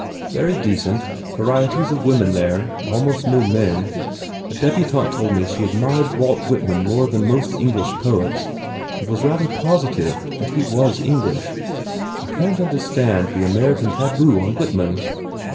"Very decent. Varieties of women, there. Almost no men. A debutante told me she ad mired Walt Whitman more than most English poets and was rather positive that he was English. I can t understand the American tabu on Whit man."